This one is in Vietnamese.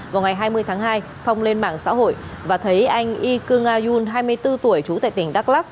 vào ngày hai mươi tháng hai phong lên mạng xã hội và thấy anh ikung ayun hai mươi bốn tuổi trú tại tỉnh đắk lắc